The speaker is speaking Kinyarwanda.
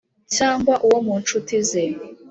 cyangwa uwo mu ncuti ze